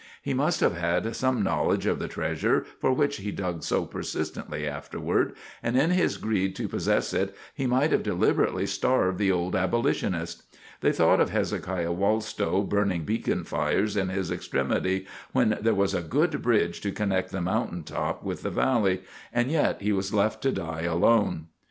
He must have had some knowledge of the treasure for which he dug so persistently afterward, and in his greed to possess it he might have deliberately starved the old abolitionist. They thought of Hezekiah Wallstow burning beacon fires in his extremity, when there was a good bridge to connect the mountain top with the valley, and yet he was left to die alone.